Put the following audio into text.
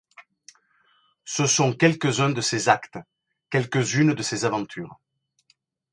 Ce sont quelques-uns de ces actes, quelques-unes de ces aventures